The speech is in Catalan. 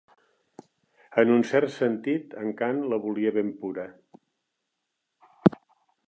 En un cert sentit, en Kant la volia ben pura.